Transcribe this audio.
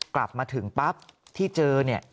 กลับมาถึงปั๊บที่เจอเนี่ย